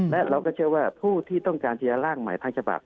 และเราก็เชื่อว่าผู้ที่ต้องการที่จะล่างใหม่ทั้งฉบับ